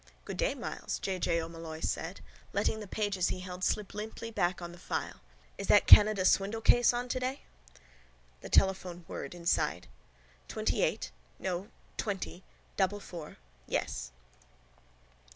—Good day, Myles, J. J. O'Molloy said, letting the pages he held slip limply back on the file. Is that Canada swindle case on today? The telephone whirred inside. —Twentyeight... No, twenty... Double four... Yes.